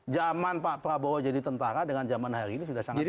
zaman pak prabowo jadi tentara dengan zaman hari ini sudah sangat tinggi